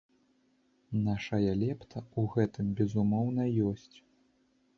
Нашая лепта ў гэтым, безумоўна, ёсць.